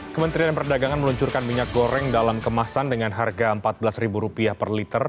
kementerian perdagangan meluncurkan minyak goreng dalam kemasan dengan harga rp empat belas per liter